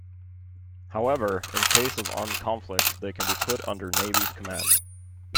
However, in case of armed conflict, they can be put under Navy's command.